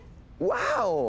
ワオ！